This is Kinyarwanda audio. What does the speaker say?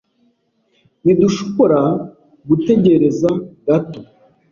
Ntidushobora gutegereza gato?